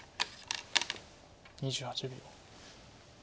２８秒。